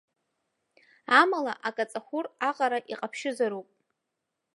Амала, акаҵахәыр аҟара иҟаԥшьызароуп!